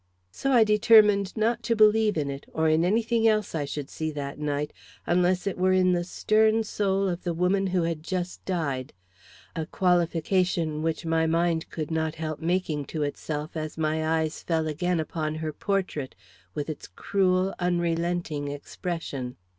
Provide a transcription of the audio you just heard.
So I determined not to believe in it, or in any thing else I should see that night, unless it were in the stern soul of the woman who had just died; a qualification which my mind could not help making to itself as my eyes fell again upon her portrait, with its cruel, unrelenting expression.